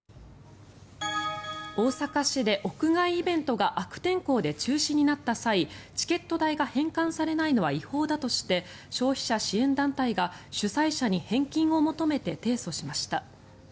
大阪市で屋外イベントが悪天候で中止になった際チケット代が返還されないのは違法だとして消費者支援団体が主催者に返金を求めて提訴しました。